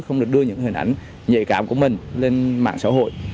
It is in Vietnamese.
không được đưa những hình ảnh nhạy cảm của mình lên mạng xã hội